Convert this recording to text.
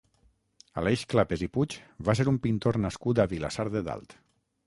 Aleix Clapés i Puig va ser un pintor nascut a Vilassar de Dalt.